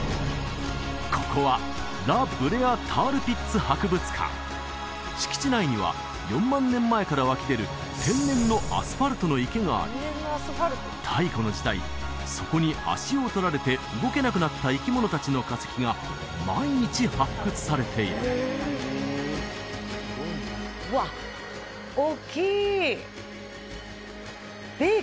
ここは敷地内には４万年前から湧き出る天然のアスファルトの池があり太古の時代そこに足を取られて動けなくなった生き物達の化石が毎日発掘されているうわっおっきい！